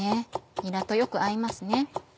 にらとよく合いますね。